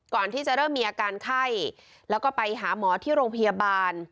ก่อนที่จะเริ่มมีอาการไข้แล้วก็ไปหาหมอที่โรงพยาบาล